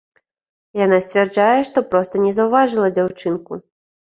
Яна сцвярджае, што проста не заўважыла дзяўчынку.